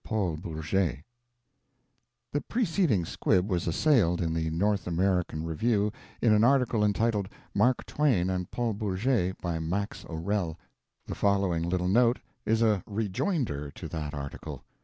PAUL BOURGET [The preceding squib was assailed in the North American Review in an article entitled "Mark Twain and Paul Bourget," by Max O'Rell. The following little note is a Rejoinder to that article.